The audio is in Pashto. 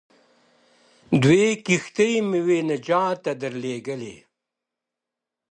دوې کښتۍ مي وې نجات ته درلېږلي.